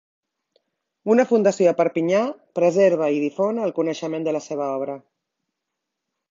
Una fundació a Perpinyà preserva i difon el coneixement de la seva obra.